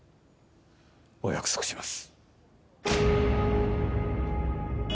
お約束します